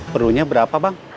perlunya berapa bang